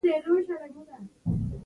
هرګړۍ هره شېبه مې ماسپښين ده